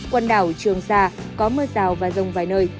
quần đảo trường sa có mưa rào và rông vài nơi